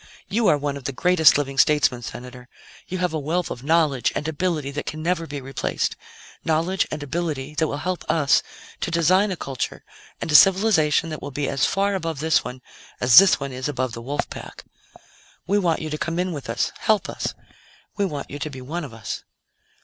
"You are one of the greatest living statesmen, Senator; you have a wealth of knowledge and ability that can never be replaced; knowledge and ability that will help us to design a culture and a civilization that will be as far above this one as this one is above the wolf pack. We want you to come in with us, help us; we want you to be one of us."